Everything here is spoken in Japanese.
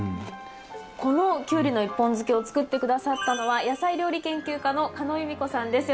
このキュウリの１本漬けを作って下さったのは野菜料理研究家のカノウユミコさんです。